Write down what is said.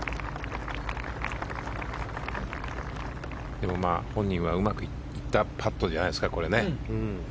でもまあ、本人はうまくいったパットじゃないですか。